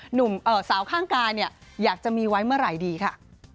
หนุ่มสาวข้างกายเนี่ยอยากจะมีไว้เมื่อไหร่ดีค่ะ